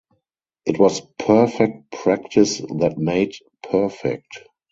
It was perfect practice that made perfect.